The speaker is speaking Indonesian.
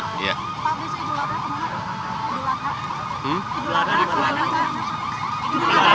pak presiden jualan jualan